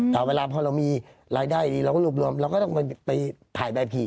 แต่เวลาพอเรามีรายได้ดีเราก็รวบรวมเราก็ต้องไปถ่ายใบผี